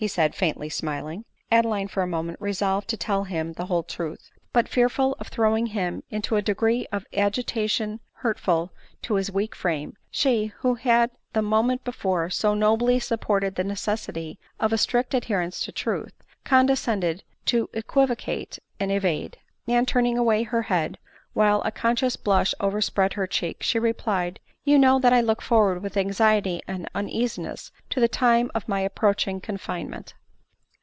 said, he, faintly smiling. Adeline for a moment resolved to. tell him the whole truth ; but, fearful of throwing him into a degree of ag itation hurtful to his weak frame, she, who had the mo ment before so nobly supported the necessity of a strict adherence to truth, condescended to equivocate and evade ; and turning away her head, while a conscious blush overspread her cheek, she replied, " you know that I look forward with anxiety and uneasiness to the time of my approaching confinement."